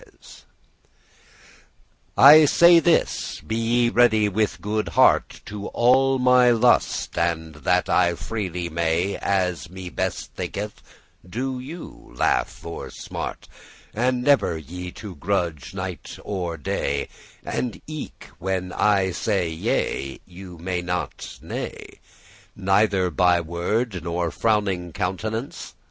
* *consider "I say this, be ye ready with good heart To all my lust,* and that I freely may, *pleasure As me best thinketh, *do you* laugh or smart, *cause you to* And never ye to grudge,* night nor day, *murmur And eke when I say Yea, ye say not Nay, Neither by word, nor frowning countenance?